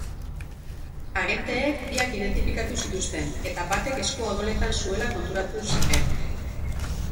Agenteek biak identifikatu zituzten, eta batek eskua odoletan zuela konturatu ziren.